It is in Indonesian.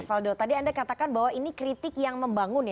valdo tadi anda katakan bahwa ini kritik yang membangun ya